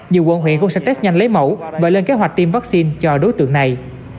nhiều quận huyện cũng sẽ test nhanh lấy mẫu và lên kế hoạch tiêm vaccine cho đối tượng này